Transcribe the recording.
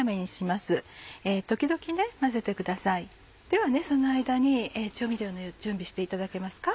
ではその間に調味料の準備していただけますか？